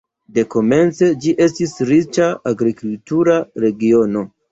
Dekomence ĝi estis riĉa agrikultura regiono.